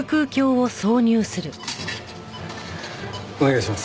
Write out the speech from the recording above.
お願いします。